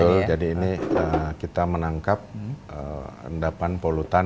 betul jadi ini kita menangkap endapan polutan